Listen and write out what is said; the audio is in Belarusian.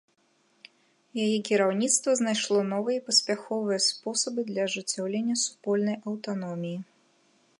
Яе кіраўніцтва знайшло новыя і паспяховыя спосабы для ажыццяўлення супольнай аўтаноміі.